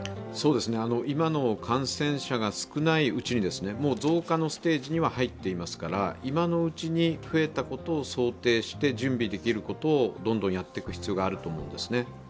今の感染者が少ないうちに、もう増加のステージには入っていますから今のうちに増えたことを想定して準備できることをどんどんやっていく必要があると思います。